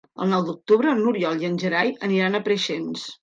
El nou d'octubre n'Oriol i en Gerai aniran a Preixens.